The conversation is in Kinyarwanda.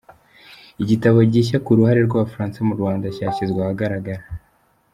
Igitabo gishya ku ruhare rw’Abafaransa mu Rwanda cyashyizwe ahagaragara